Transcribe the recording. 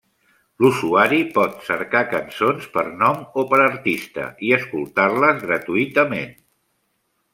L'usuari pot cercar cançons per nom o per artista i escoltar-les gratuïtament.